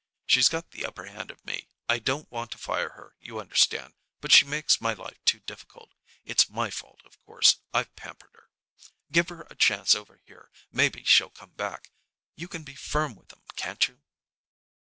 She's got the upper hand of me. I don't want to fire her, you understand, but she makes my life too difficult. It's my fault, of course. I've pampered her. Give her a chance over here; maybe she'll come back. You can be firm with 'em, can't you?"